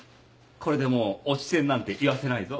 これでもう「落ち専」なんて言わせないぞ。